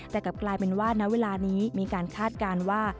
แต่กลับกลายเป็นว่าณเวลานี้มีการคาดการณ์ว่า